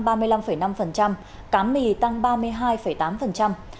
cá mì tăng ba mươi năm năm trang trại nuôi tăng cao như hiện nay